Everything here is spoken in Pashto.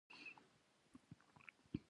د مریم ګلي پاڼې د څه لپاره وکاروم؟